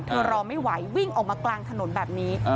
รอไม่ไหววิ่งออกมากลางถนนแบบนี้